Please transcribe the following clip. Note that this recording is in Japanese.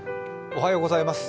おはようございます。